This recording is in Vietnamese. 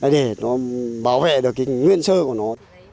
để nó bảo vệ được cái nguyên sơ của nó